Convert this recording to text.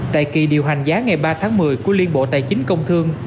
tại kỳ điều hành giá ngày ba tháng một mươi của liên bộ tài chính công thương